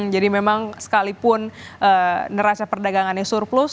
jadi memang sekalipun neraca perdagangannya surplus